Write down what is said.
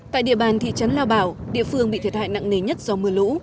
tại địa bàn thị trấn lao bảo địa phương bị thiệt hại nặng nề nhất do mưa lũ